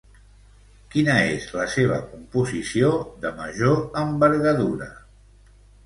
Quina és la seva composició de major envergadura?